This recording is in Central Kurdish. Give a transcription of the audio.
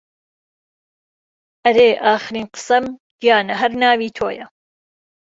ئەرێ ئاخەرین قەسەم گیانە هەر ناوی تۆیە